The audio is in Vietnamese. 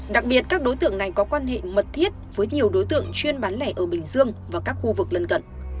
đặc biệt các đối tượng này có quan hệ mật thiết với nhiều đối tượng chuyên bán lẻ ở bình dương và các khu vực lân cận